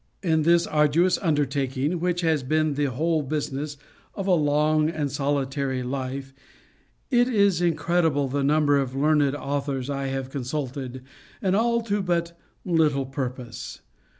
In this arduous undertaking, which has been the whole business of a long and solitary life, it is incredible the number of learned authors I have consulted, and all to but little purpose.